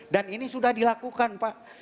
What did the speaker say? dan ini sudah dilakukan pak